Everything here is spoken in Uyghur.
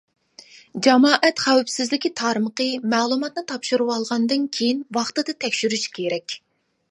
جامائەت خەۋپسىزلىكى تارمىقى مەلۇماتنى تاپشۇرۇۋالغاندىن كېيىن ۋاقتىدا تەكشۈرۈشى كېرەك.